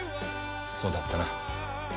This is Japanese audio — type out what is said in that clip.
そうだったな。